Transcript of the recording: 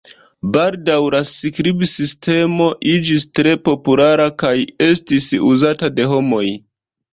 Baldaŭ la skribsistemo iĝis tre populara kaj estis uzata de homoj.